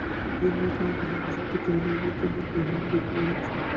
এইজন্য তিনি তাঁহার নিষেধ উঠাইয়া লইবার জন্য ব্যগ্র হইয়াছিলেন।